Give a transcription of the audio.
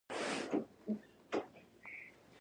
د مازون سیند له هوارو سیمو تویږي.